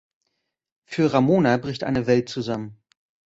Für Ramona bricht eine Welt zusammen.